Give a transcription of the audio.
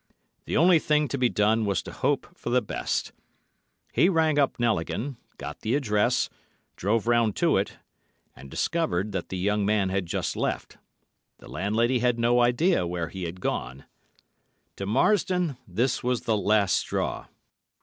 The only thing to be done was to hope for the best. He rang up Knelligan, got the address, drove round to it, and discovered that the young man had just left. The landlady had no idea where he had gone. To Marsdon this was the last straw.